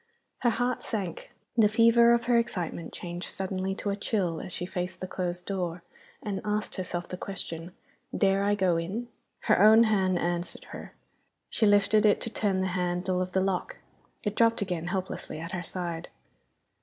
Her heart sank; the fever of her excitement changed suddenly to a chill as she faced the closed door, and asked herself the question, Dare I go in? Her own hand answered her. She lifted it to turn the handle of the lock. It dropped again helplessly at her side.